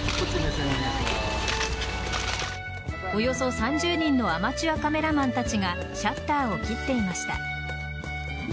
およそ３０人のアマチュアカメラマンたちがシャッターを切っていました。